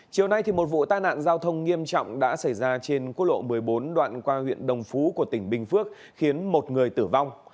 chiều nay một vụ tai nạn giao thông nghiêm trọng đã xảy ra trên quốc lộ một mươi bốn đoạn qua huyện đồng phú của tỉnh bình phước khiến một người tử vong